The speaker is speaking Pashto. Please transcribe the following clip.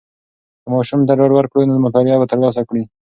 که ماشوم ته ډاډ ورکړو، نو مطالعه به تر لاسه کړي.